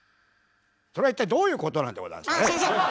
それは一体どういうことなんでございますかね